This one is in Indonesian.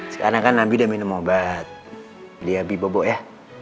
sekarang kan nabi udah minum obat lia bi bobo ya